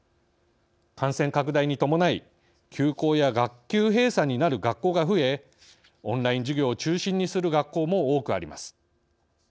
感染拡大に伴い休校や学級閉鎖になる学校が増えオンライン授業を中心にする学校も多くあります。